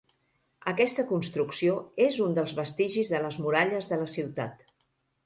Aquesta construcció és un dels vestigis de les muralles de la ciutat.